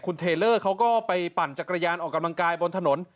คุณเทลเลอร์เขาก็ไปปั่นจักรยานออกกำลังกายบนถนน